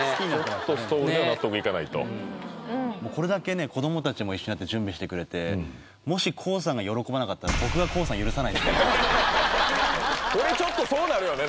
ちょっとストールでは納得いかないとこれだけね子どもたちも一緒になって準備してくれてもしこれちょっとそうなるよね